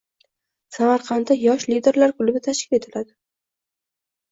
Samarqandda yosh liderlar klubi tashkil etiladi